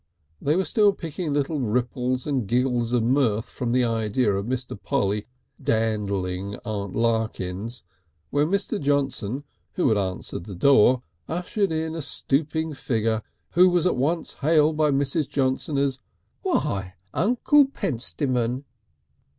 They were still picking little ripples and giggles of mirth from the idea of Mr. Polly dandling Aunt Larkins when Mr. Johnson, who had answered the door, ushered in a stooping figure, who was at once hailed by Mrs. Johnson as "Why! Uncle Pentstemon!"